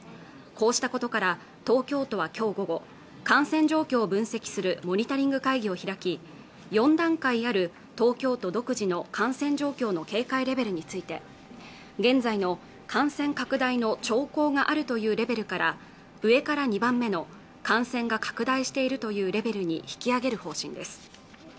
こうしたことから東京都はきょう午後感染状況を分析するモニタリング会議を開き４段階ある東京都独自の感染状況の警戒レベルについて現在の感染拡大の兆候があるというレベルから上から２番目の感染が拡大しているというレベルに引き上げる方針です